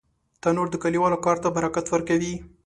تنور د کلیوالو کار ته برکت ورکوي